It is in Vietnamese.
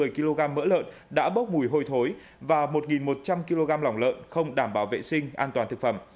sáu trăm một mươi kg mỡ lợn đã bốc mùi hồi thối và một một trăm linh kg lỏng lợn không đảm bảo vệ sinh an toàn thực phẩm